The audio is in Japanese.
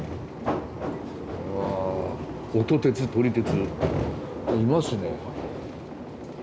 うわ音鉄撮り鉄いますね。